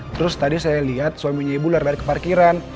terus tadi saya lihat suaminya ibu lari lari ke parkiran